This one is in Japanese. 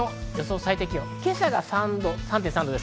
最低気温、今朝が３．３度です。